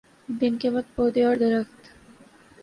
دن کے وقت پودے اور درخت